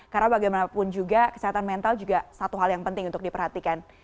karena bagaimanapun juga kesehatan mental juga satu hal yang penting untuk diperhatikan